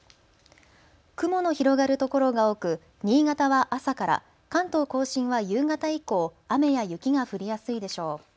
雲の広がるところが多く新潟は朝から、関東甲信は夕方以降、雨や雪が降りやすいでしょう。